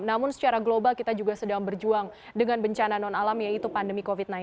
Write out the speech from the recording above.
namun secara global kita juga sedang berjuang dengan bencana non alam yaitu pandemi covid sembilan belas